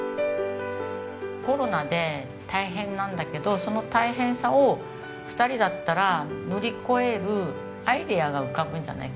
コロナで大変なんだけどその大変さを２人だったら乗り越えるアイデアが浮かぶんじゃないかなっていう。